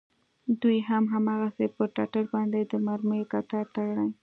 دوى هم هماغسې پر ټټر باندې د مرميو کتار تړي.